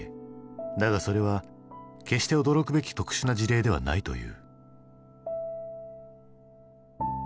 だがそれは決して驚くべき特殊な事例ではないという。